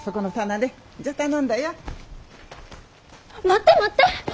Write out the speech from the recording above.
待って待って！